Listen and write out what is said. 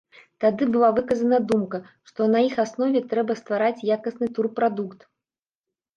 Тады была выказана думка, што на іх аснове трэба ствараць якасны турпрадукт.